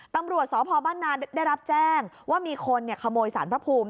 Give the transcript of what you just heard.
ตำรวจสพบ้านนาได้รับแจ้งว่ามีคนขโมยสารพระภูมิ